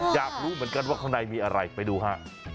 อยากรู้เหมือนกันว่าข้างในมีอะไรไปดูฮะ